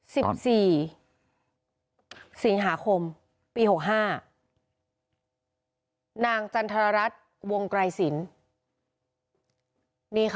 สิบสี่สิงหาคมปีหกห้านางจันทรรัฐวงไกรสินนี่ค่ะ